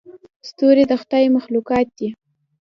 ستوري د خدای مخلوقات دي.